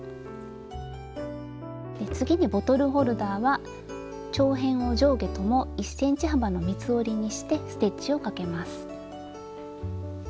次にボトルホルダーは長辺を上下とも１ｃｍ幅の三つ折りにしてステッチをかけます。